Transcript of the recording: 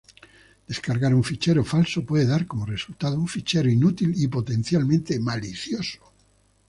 Descargar un fichero falso puede dar como resultado un fichero inútil y potencialmente malicioso.